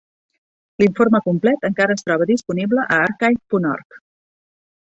L'informe complet encara es troba disponible a Archive punt org.